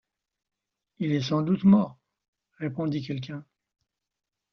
Il est sans doute mort, répondit quelqu’un.